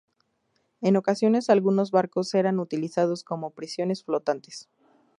En ocasiones algunos barcos eran utilizados como "prisiones flotantes".